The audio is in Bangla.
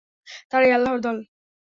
তাঁরাই আল্লাহর দল।